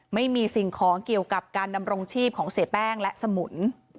ไม่มีสิ่งของเกี่ยวกับการดำรงชีพของเสียแป้งและสมุน